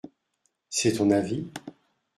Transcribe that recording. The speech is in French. C'est ton avis ?